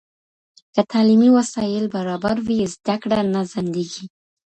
که تعلیمي وسایل برابر وي، زده کړه نه ځنډېږي.